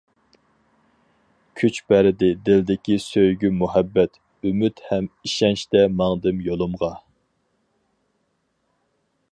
كۈچ بەردى دىلدىكى سۆيگۈ-مۇھەببەت، ئۈمىد ھەم ئىشەنچتە ماڭدىم يولۇمغا.